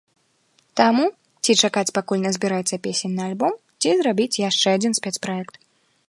Таму, ці чакаць, пакуль назбіраецца песень на альбом, ці зрабіць яшчэ адзін спецпраект.